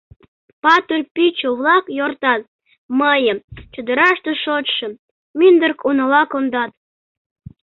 Патыр пӱчӧ-влак йортат: Мыйым, чодыраште шочшым, Мӱндырк унала кондат.